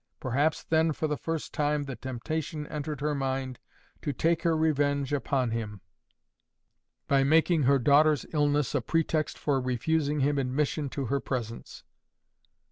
Perhaps then for the first time the temptation entered her mind to take her revenge upon him, by making her daughter's illness a pretext for refusing him admission to her presence.